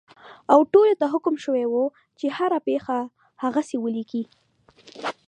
او ټولو ته حکم شوی وو چې هره پېښه هغسې ولیکي.